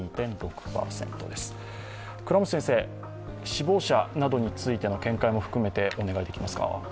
死亡者などについての見解も含めてお願いできますか。